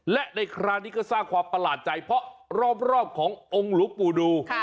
และในคราวนี้ก็สร้างความประหลาดใจเพราะรอบขององค์หลวงปู่ดู